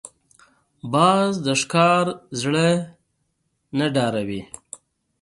باز د ښکار زړه نه ډاروي